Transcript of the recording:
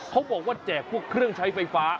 เขาบอกว่าแจกพวกเครื่องใช้ไฟฟ้า